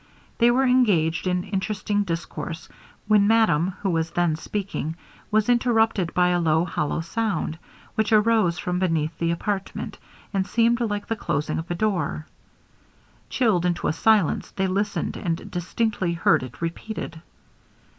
They were engaged in interesting discourse, when madame, who was then speaking, was interrupted by a low hollow sound, which arose from beneath the apartment, and seemed like the closing of a door. Chilled into a silence, they listened and distinctly heard it repeated.